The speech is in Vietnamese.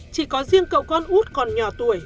chỉ có riêng cậu con út còn nhỏ tuổi